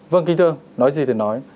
vâng kính thưa ông nói gì thì nói